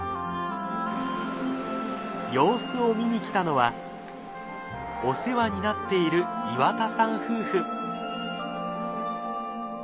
様子を見に来たのはお世話になっている岩田さん夫婦。